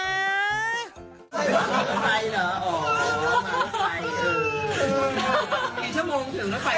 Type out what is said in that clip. มันไม่มีไฟเหรออ๋อมันไม่มีไฟ